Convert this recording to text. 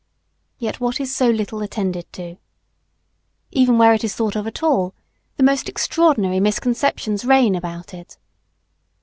Yet what is so little attended, to? Even where it is thought of at all, the most extraordinary misconceptions reign about it.